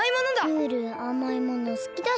ムールあまいものすきだしね。